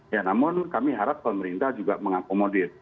ya namun kami harap pemerintah juga mengakomodir